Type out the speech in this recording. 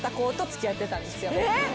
えっ！